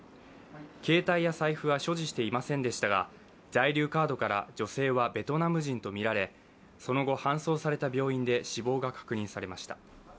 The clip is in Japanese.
携帯や財布は所持していませんでしたが在留カードから女性はベトナム人とみられ、その後、搬送された病院で死亡が確認されました。